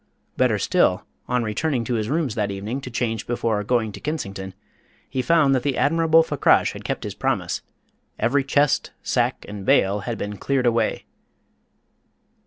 Better still, on returning to his rooms that evening to change before going to Kensington, he found that the admirable Fakrash had kept his promise every chest, sack, and bale had been cleared away.